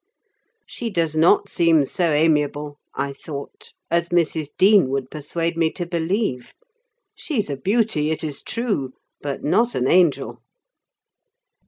"She does not seem so amiable," I thought, "as Mrs. Dean would persuade me to believe. She's a beauty, it is true; but not an angel."